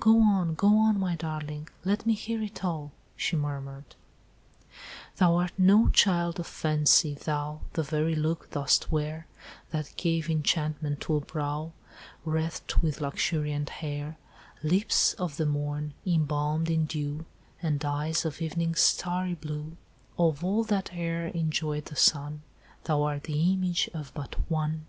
go on, go on, my darling! let me hear it all," she murmured: "'Thou art no child of fancy—thou The very look dost wear That gave enchantment to a brow, Wreathed with luxuriant hair— Lips of the morn, embalmed in dew, And eyes of evening's starry blue, Of all that e'er enjoyed the sun, Thou art the image of but one!